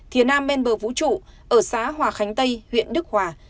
thiên nam bên bờ vũ trụ ở xá hòa khánh tây huyện đức hòa